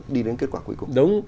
đi đến kết quả cuối cùng